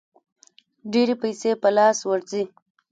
ډېرې پیسې په لاس ورځي.